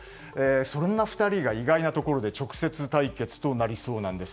そんな２人が意外なところで直接対決となりそうなんです。